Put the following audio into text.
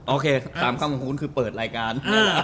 โอเคตามคำของคุณคือเปิดรายการ